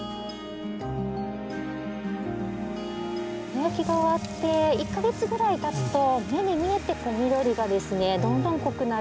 野焼きが終わって１か月ぐらいたつと目に見えて緑がですねどんどん濃くなる。